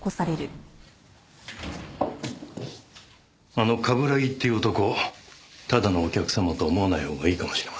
あの冠城っていう男ただのお客様と思わないほうがいいかもしれませんね。